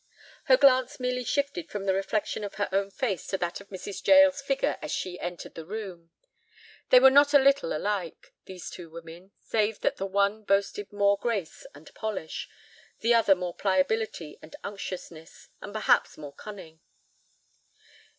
Her glance merely shifted from the reflection of her own face to that of Mrs. Jael's figure as she entered the room. They were not a little alike, these two women, save that the one boasted more grace and polish; the other more pliability and unctuousness, and perhaps more cunning.